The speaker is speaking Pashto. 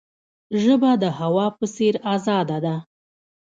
ژبه د هوا په څیر آزاده ده.